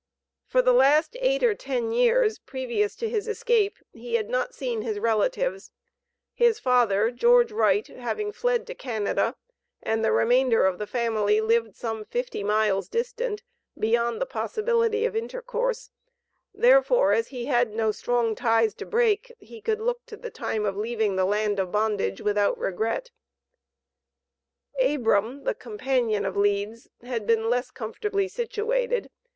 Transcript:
For the last eight or ten years previous to his escape he had not seen his relatives, his father (George Wright) having fled to Canada, and the remainder of the family lived some fifty miles distant, beyond the possibility of intercourse; therefore, as he had no strong ties to break, he could look to the time of leaving the land of bondage without regret. Abram, the companion of Leeds, had been less comfortably situated.